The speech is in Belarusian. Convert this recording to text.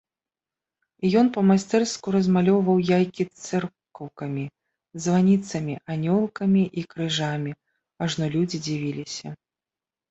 І ён па-майстэрску размалёўваў яйкі цэркаўкамі, званіцамі, анёлкамі і крыжамі, ажно людзі дзівіліся.